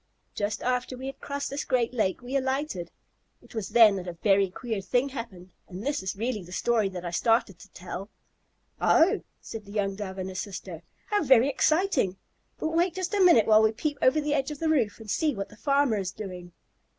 Just after we had crossed this great lake we alighted. It was then that a very queer thing happened, and this is really the story that I started to tell." "Oh!" said the young Dove and his sister. "How very exciting. But wait just a minute while we peep over the edge of the roof and see what the farmer is doing."